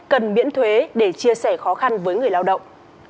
cần miễn thuế để chia sẻ khó khăn với người lao động